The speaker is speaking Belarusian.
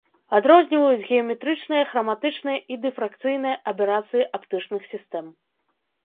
Адрозніваюць геаметрычныя, храматычныя і дыфракцыйныя аберацыі аптычных сістэм.